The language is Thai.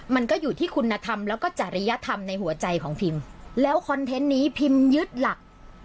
มันก็อยู่ที่คุณธรรมแล้วก็จริยธรรมในหัวใจของพิมแล้วคอนเทนต์นี้พิมยึดหลัก